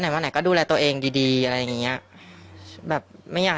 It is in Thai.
มาไหนก็ดูแลตัวเองดีดีอะไรอย่างเงี้ยแบบไม่อยาก